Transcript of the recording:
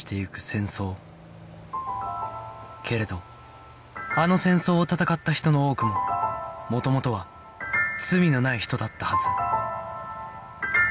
けれどあの戦争を戦った人の多くも元々は罪のない人だったはず